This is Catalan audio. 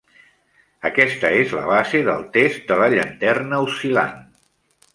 Aquesta és la base del "test de la llanterna oscil·lant".